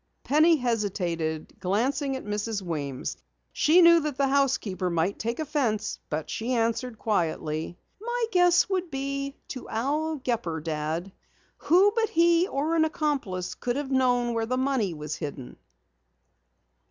Penny hesitated, glancing at Mrs. Weems. She knew that the housekeeper might take offense, but she answered quietly: "My guess would be to Al Gepper, Dad. Who but he or an accomplice could have known where the money was hidden?"